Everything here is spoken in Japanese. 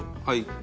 はい。